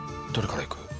どれからいく？